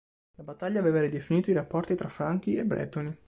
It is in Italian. La battaglia aveva ridefinito i rapporti tra franchi e bretoni.